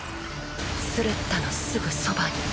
スレッタのすぐそばに。